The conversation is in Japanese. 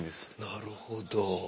なるほど。